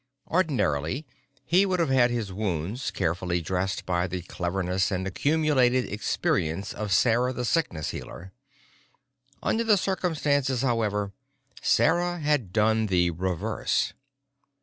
Ordinarily, he would have had his wounds carefully dressed by the cleverness and accumulated experience of Sarah the Sickness Healer. Under the circumstances, however, Sarah had done the reverse.